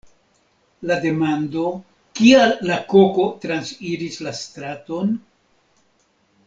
La demando "Kial la koko transiris la straton?